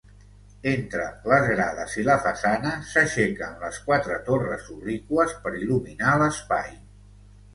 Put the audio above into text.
Entre les grades i la façana s'aixequen les quatre torres obliqües per il·luminar l'espai.